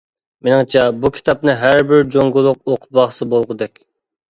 مېنىڭچە، بۇ كىتابنى ھەر بىر جۇڭگولۇق ئوقۇپ باقسا بولغۇدەك.